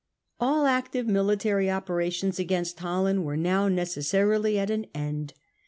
All active military operations against Holland were now necessarily at an end.